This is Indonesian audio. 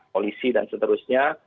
polisi dan seterusnya